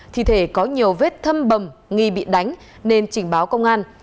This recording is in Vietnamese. thi thể có nhiều vết thâm bầm nghi bị đánh nên trình báo công an